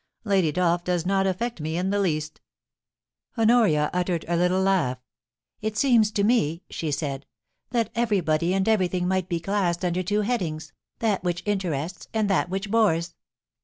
* Lady Dolph does not affect me in the least' Honoria uttered a little laugh. * It seems to me,' she said, * that everybody and everything might be classed under two headings, that which interests and that which bores.